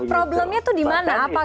problemnya tuh di mana apakah